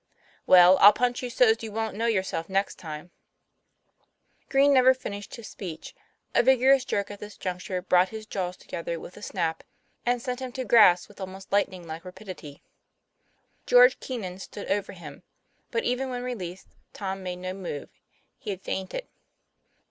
Well, I'll punch you so's you wont know your self next time " Green never finished his speech; a vigorous jerk at this juncture brought his jaws together with a snap, and sent him to grass with almost lightning like rapidity. George Keenan stood over him. But even whe'i released, Tom made no move; he had fainted.